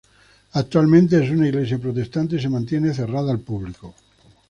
Actualmente es una iglesia protestante y se mantiene cerrada al público.